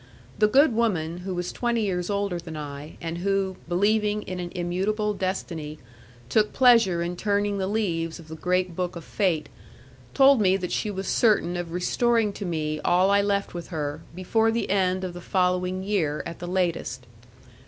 The good woman, who was twenty years older than I, and who, believing in an immutable destiny, took pleasure in turning the leaves of the great book of fate, told me that she was certain of restoring to me all I left with her, before the end of the following year, at the latest.